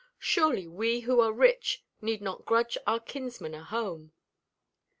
Surely we who are rich need not grudge our kinsman a home."